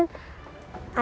ada perkataan saya